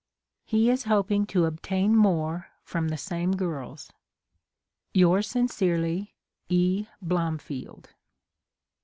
He is hoping to obtain more from the same girls. Yours sincerely, E. Blomfield.